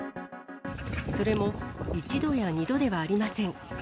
それも１度や２度ではありません。